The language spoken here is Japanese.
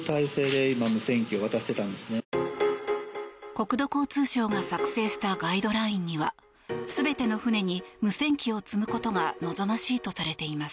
国土交通省が作成したガイドラインには全ての船に無線機を積むことが望ましいとされています。